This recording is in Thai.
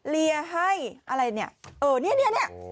เรียให้ได้เลียของ